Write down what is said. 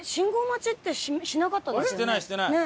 してないしてない。